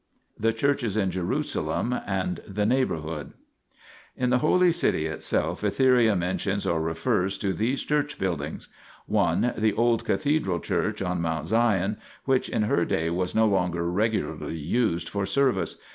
ii. THE CHURCHES IN JERUSALEM AND THE NEIGHBOURHOOD In the Holy City itself Etheria mentions or refers to these Church buildings : 1. The old Cathedral Church on Mount Sion, which in her day was no longer regularly used for service.